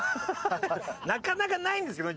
なかなかないんですよ。